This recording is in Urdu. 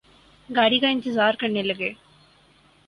گاڑی کا انتظار کرنے لگے